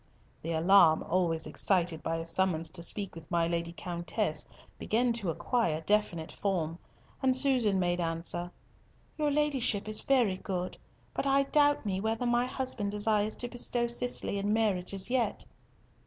The alarm always excited by a summons to speak with my Lady Countess began to acquire definite form, and Susan made answer, "Your Ladyship is very good, but I doubt me whether my husband desires to bestow Cicely in marriage as yet."